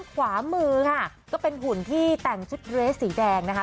ขวามือค่ะก็เป็นหุ่นที่แต่งชุดเรสสีแดงนะคะ